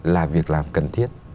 là việc làm cần thiết